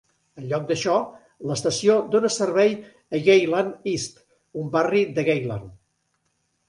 En lloc d'això, l'estació dóna servei a Geylang East, un barri de Geylang.